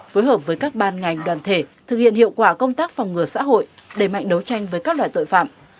phối hợp với các ban ngành đoàn thể thực hiện hiệu quả công tác phòng ngừa xã hội đẩy mạnh đấu tranh với các loại tội phạm